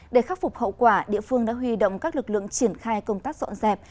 để khắc phục hậu quả địa phương đã huy động các lực lượng triển khai công tác dọn dẹp